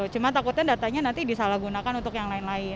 cuma takutnya datanya nanti disalahgunakan untuk yang lain lain